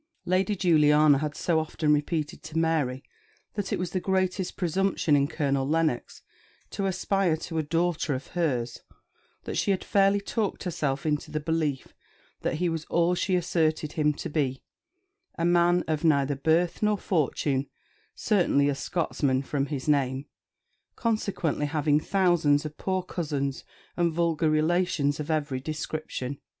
Lady Juliana had so often repeated to Mary that it was the greatest presumption in Colonel Lennox to aspire to a daughter of hers, that she had fairly talked herself into the belief that he was all she asserted him to be a man of neither birth nor fortune certainly a Scotsman from his name consequently having thousands of poor cousins and vulgar relations of every description.